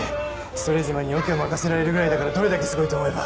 シュトレーゼマンにオケを任されるぐらいだからどれだけすごいと思えば。